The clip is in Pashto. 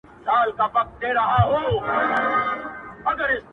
سور زېږوي راته سرور جوړ كړي,